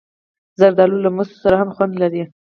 زردالو له مستو سره هم خوند لري.